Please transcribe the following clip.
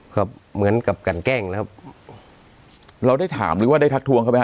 ครับเหมือนกับกันแกล้งแล้วเราได้ถามหรือว่าได้ทักทวงเขาไหมฮ